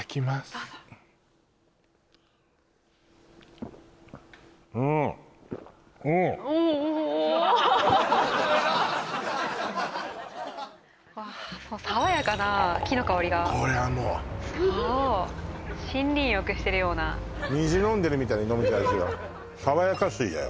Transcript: どうぞうんうんおおーすごい爽やかな木の香りがこれはもう森林浴してるような水飲んでるみたいに飲めちゃう味爽やか水だよ